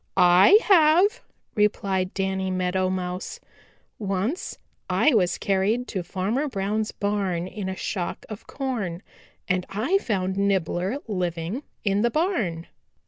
"I have," replied Danny Meadow Mouse. "Once I was carried to Farmer Brown's barn in a shock of corn and I found Nibbler living in the barn."